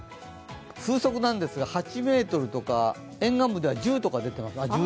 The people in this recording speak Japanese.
風速なんですが８メートルとか沿岸部では１０とか出ています。